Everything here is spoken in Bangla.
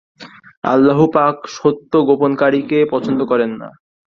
আল্লাহুপাক সত্য গোপনকারীকে পছন্দ করেন না।